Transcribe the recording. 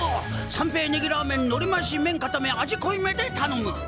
三平ねぎラーメンのりましめんかため味こいめでたのむ！